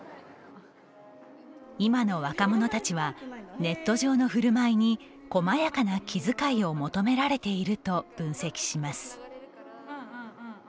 今の若者たちはネット上のふるまいにこまやかな気遣いを求められていると分析します。